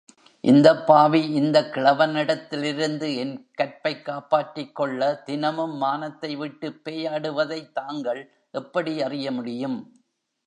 இந்தப்பாவி இந்தக் கிழவனிடத்திலிருந்து என் கற்பைக் காப்பாற்றிக் கொள்ள தினமும் மானத்தை விட்டுப் பேயாடுவதைத் தாங்கள் எப்படி அறியமுடியும்?